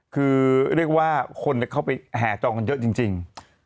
คือเรียกว่าคนเข้าไปแห่จองกันเยอะจริง